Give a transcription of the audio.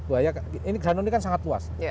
buaya danau ini kan sangat luas